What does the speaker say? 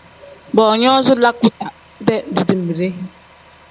Boonyoozi lakuta-dee dibimbide.